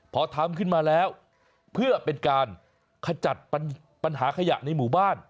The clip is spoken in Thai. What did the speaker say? พอทำขึ้นมาแล้วเพื่อเป็นการขจัดปัญหาขยะในหมู่บ้าน